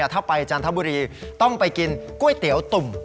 ถ้าไปจันทบุรีต้องไปกินก๋วยเตี๋ยวตุ่ม